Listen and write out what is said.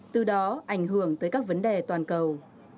từ đó ảnh hưởng tới các vấn đề toàn cầu